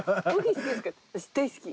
私大好き。